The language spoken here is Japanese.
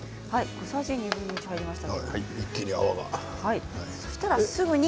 小さじ３分の１入りました。